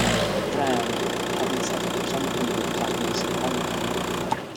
Brown, having set up a company with partners in Hong Kong.